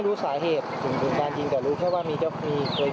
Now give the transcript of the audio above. ถูกรถที่เรากลุ่มความสะลอน